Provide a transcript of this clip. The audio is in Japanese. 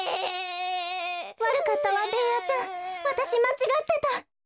わるかったわベーヤちゃんわたしまちがってた。